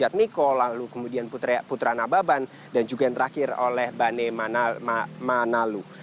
yang sejad miko lalu kemudian putra nababan dan juga yang terakhir oleh bane manalu